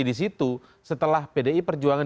di situ setelah pdi perjuangan